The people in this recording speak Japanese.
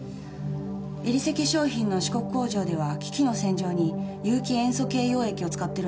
エリセ化粧品の四国工場では機器の洗浄に有機塩素系溶液を使ってるんです。